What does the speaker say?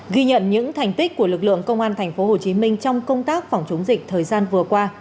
ghi nhận những thành tích của lực lượng công an tp hcm trong công tác phòng chống dịch thời gian vừa qua